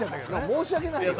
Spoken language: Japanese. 申し訳ないよ。